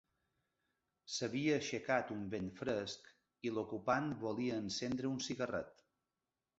S'havia aixecat un vent fresc i l'ocupant volia encendre un cigarret.